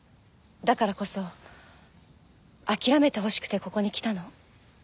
だからこそ諦めてほしくてここに来たの。